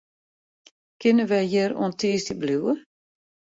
Kinne wy hjir oant tiisdei bliuwe?